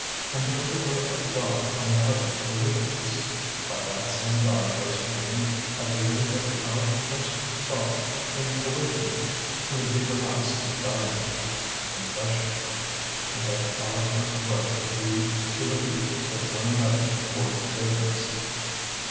And though there were a God and a heaven awaiting us, by that same God, Josephine, I believe that our first thought in awakening would be the last in dying, confession, and that our first rush would be to the feet of one another for forgiveness.